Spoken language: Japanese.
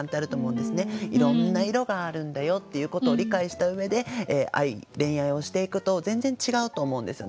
いろんな色があるんだよっていうことを理解した上で愛恋愛をしていくと全然違うと思うんですよね。